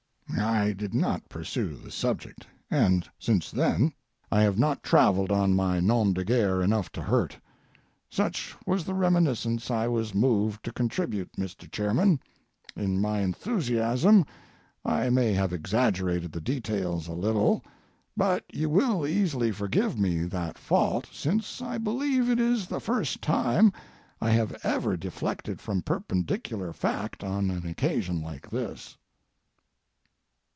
I did not pursue the subject, and since then I have not travelled on my 'nom de guerre' enough to hurt. Such was the reminiscence I was moved to contribute, Mr. Chairman. In my enthusiasm I may have exaggerated the details a little, but you will easily forgive me that fault, since I believe it is the first time I have ever deflected from perpendicular fact on an occasion like this.